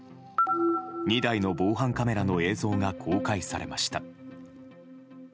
２台の防犯カメラの映像が公開されました。